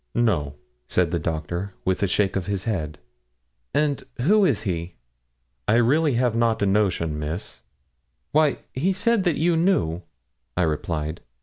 'No,' said the Doctor, with a shake of his head. 'And who is he?' 'I really have not a notion, Miss.' 'Why, he said that you knew,' I replied.